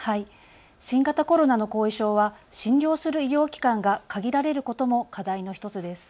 新型コロナの後遺症は診療する医療機関が限られることも課題の１つです。